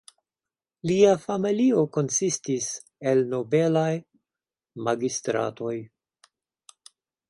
Lia familio konsistis el nobelaj magistratoj.